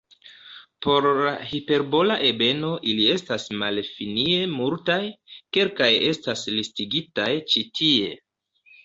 Por la hiperbola ebeno ili estas malfinie multaj, kelkaj estas listigitaj ĉi tie.